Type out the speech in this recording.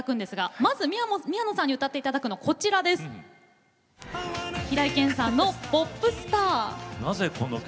まず宮野さんに歌っていただくのはこちら平井堅さんの「ＰＯＰＳＴＡＲ」。